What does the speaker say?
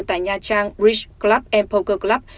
tại nhà trang bridge club poker club